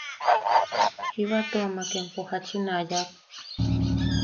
“Jiba tua mak empo jachin a yak”.